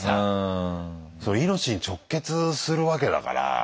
命に直結するわけだから。